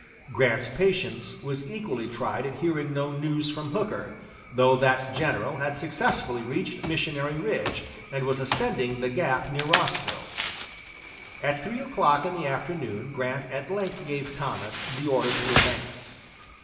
Grant's patience was equally tried at hearing no news from Hooker, though that general had successfully reached Missionary Ridge, and was ascending the gap near Rossville. At three o'clock in the afternoon Grant at length gave Thomas the order to advance.